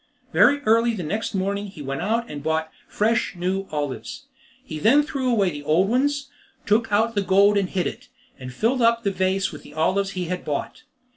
Very early next morning he went out and bought fresh new olives; he then threw away the old ones, took out the gold and hid it, and filled up the vase with the olives he had bought.